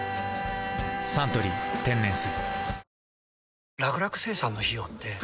「サントリー天然水」